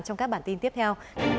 trong các bản tin tiếp theo